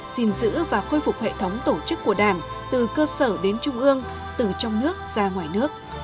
gìn giữ và khôi phục hệ thống tổ chức của đảng từ cơ sở đến trung ương từ trong nước ra ngoài nước